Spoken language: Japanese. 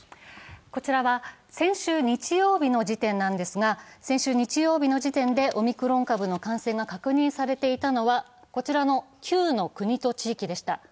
こちらは先週日曜日の時点なんですが、先週日曜日の時点でオミクロン株の感染が確認されていたのはこちらの９の国と地域でした。